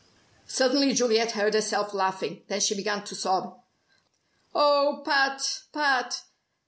Suddenly Juliet heard herself laughing. Then she began to sob: "Oh, Pat Pat!